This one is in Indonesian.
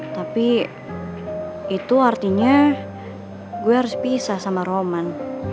tapi itu artinya gue harus pisah sama roman